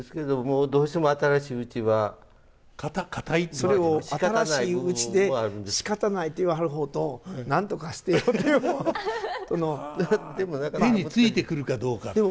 それを「新しいうちでしかたない」と言わはる方と「なんとかしてよ」という方との。